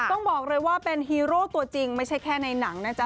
ต้องบอกเลยว่าเป็นฮีโร่ตัวจริงไม่ใช่แค่ในหนังนะจ๊